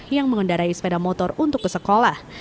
yang mengendarai sepeda motor untuk ke sekolah